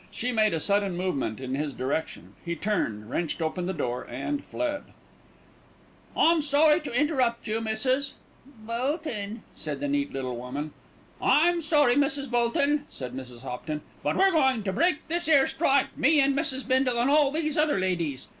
She made a sudden movement in his direction; he turned wrenched open the door, and fled. "I'm sorry to interrupt you, Mrs. " "Bolton," said the neat little woman. "I'm sorry, Mrs. Bolton," said Mrs. Hopton; "but we're going to break this 'ere strike, me and Mrs. Bindle and all these other ladies."